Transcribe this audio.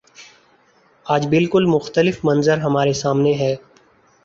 آج بالکل مختلف منظر ہمارے سامنے ہے۔